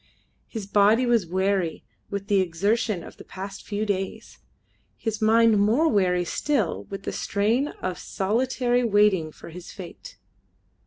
His body was weary with the exertion of the past few days, his mind more weary still with the strain of solitary waiting for his fate.